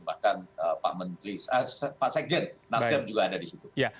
bahkan pak sekjen nasdem juga ada di situ